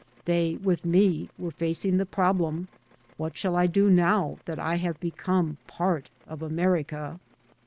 They with me were facing the problem :" What shall I do now that I have become part of America